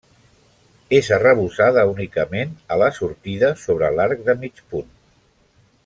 És arrebossada únicament a la sortida sobre l'arc de mig punt.